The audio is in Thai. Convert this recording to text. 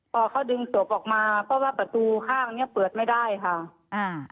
พอเขาดึงศพออกมาเพราะว่าประตูข้างเนี้ยเปิดไม่ได้ค่ะอ่า